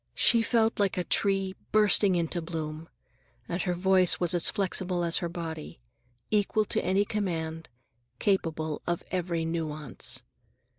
She felt like a tree bursting into bloom. And her voice was as flexible as her body; equal to any demand, capable of every nuance.